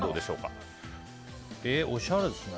おしゃれですね。